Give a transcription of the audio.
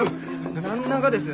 何ながです？